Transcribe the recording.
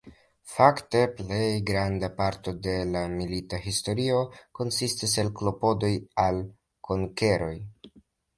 Fakte plej granda parto de la Milita historio konsistas el klopodoj al konkeroj.